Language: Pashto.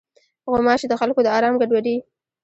غوماشې د خلکو د آرام ګډوډوي.